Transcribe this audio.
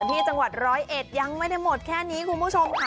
ที่จังหวัดร้อยเอ็ดยังไม่ได้หมดแค่นี้คุณผู้ชมค่ะ